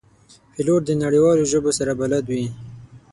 پیلوټ د نړیوالو ژبو سره بلد وي.